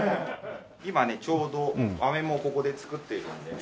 今ねちょうどあめもここで作っているんでね。